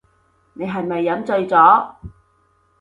你係咪飲醉咗